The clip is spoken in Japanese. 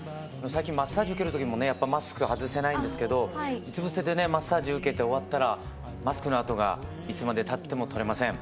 最近マッサージ受ける時もねやっぱマスク外せないんですけどうつ伏せでねマッサージ受けて終わったらマスクの痕がいつまでたっても取れません。